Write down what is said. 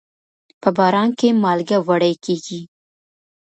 په باران کې مالګه وړي کېږي.